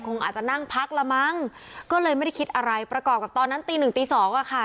คงอาจจะนั่งพักละมั้งก็เลยไม่ได้คิดอะไรประกอบกับตอนนั้นตีหนึ่งตีสองอ่ะค่ะ